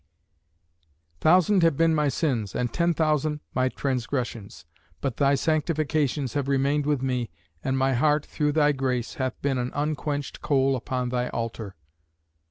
"Thousand have been my sins, and ten thousand my transgressions; but thy sanctifications have remained with me, and my heart, through thy grace, hath been an unquenched coal upon thy altar.